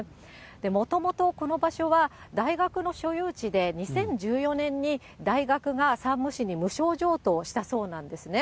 もともとこの場所は、大学の所有地で、２０１４年に大学が山武市に無償譲渡をしたそうなんですね。